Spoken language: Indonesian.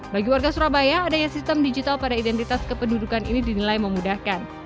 bagi warga surabaya adanya sistem digital pada identitas kependudukan ini dinilai memudahkan